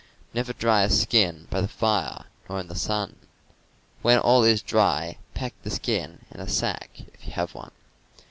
Never dry a skin by the fire nor in the sun. When all is dry, pack the skin in a sack, if you have one.